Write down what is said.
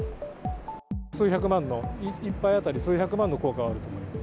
数百万の、１杯当たり数百万の効果があると思います。